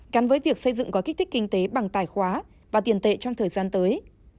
cắn với việc xây dựng gói kích thích kinh tế bằng tài khoá và tiền tệ trong thời gian tới